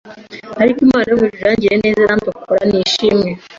Ariko Imana yo mu ijuru yangiriye neza irandokora nishimwe